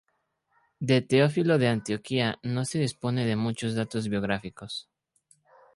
De Teófilo de Antioquía, no se dispone de muchos datos biográficos.